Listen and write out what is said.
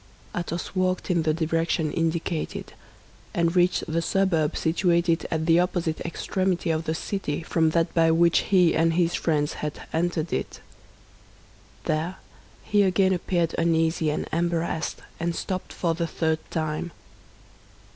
Athos walked in the direction indicated, and reached the suburb situated at the opposite extremity of the city from that by which he and his friends had entered it. There he again appeared uneasy and embarrassed, and stopped for the third time.